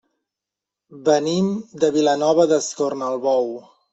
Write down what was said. Venim de Vilanova d'Escornalbou.